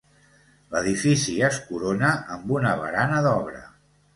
L'edifici es corona amb una barana d'obra.